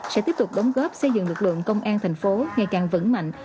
sẽ tiếp tục đóng góp xây dựng lực lượng công an thành phố ngày càng vững mạnh